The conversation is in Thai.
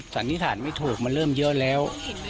สันนิษฐานไม่ถูกมันเริ่มเยอะแล้ว